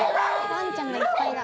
ワンちゃんがいっぱいだ。